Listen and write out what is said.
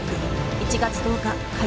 １月１０日火曜